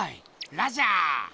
ラジャー！